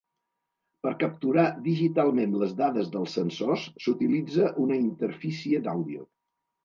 Per capturar digitalment les dades dels sensors, s’utilitza una interfície d’àudio.